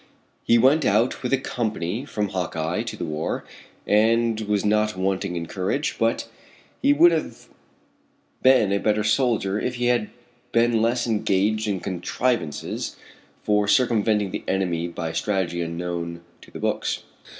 He went out with a company from Hawkeye to the war, and was not wanting in courage, but he would have been a better soldier if he had been less engaged in contrivances for circumventing the enemy by strategy unknown to the books.